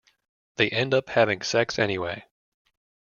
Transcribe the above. They end up having sex, anyway.